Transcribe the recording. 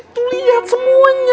itu lihat semuanya